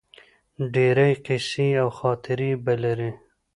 ډیرې قیصې او خاطرې به لرې